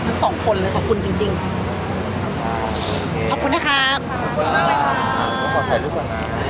ทั้งสองคนเลยขอบคุณจริงจริงขอบคุณนะครับขอบคุณมากเลยค่ะ